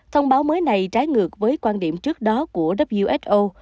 thông báo mới này trái ngược với quan điểm trước đó của who